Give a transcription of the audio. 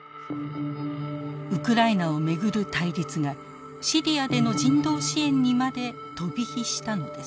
ウクライナを巡る対立がシリアでの人道支援にまで飛び火したのです。